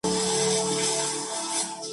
El partido se jugó en Perth.